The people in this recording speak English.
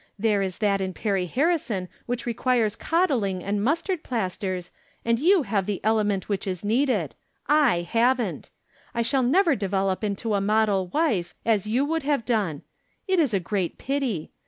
There is that in Perry Harrison which requires coddling and mustard plasters, and you have the element which is needed. I haven't. I shall never develop into the model wife, as you would have done. It is a great pity.